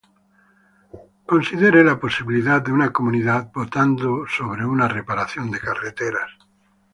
Considere la posibilidad de una comunidad votando sobre una reparación de carreteras.